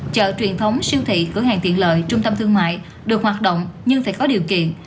chợ truyền thống siêu thị cửa hàng tiện lợi trung tâm thương mại được hoạt động nhưng phải có điều kiện